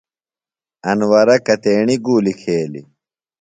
انورہ کتیݨیۡ گُولیۡ کھیلیۡ؟